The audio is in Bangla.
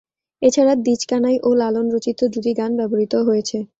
এছাড়া দ্বিজ কানাই ও লালন রচিত দুটি গান ব্যবহৃত হয়েছে।